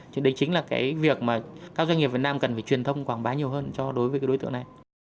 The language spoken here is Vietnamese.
chứ đây chính là cái việc mà các doanh nghiệp việt nam cần phải truyền thông quảng bá nhiều hơn cho đối với cái đối tượng này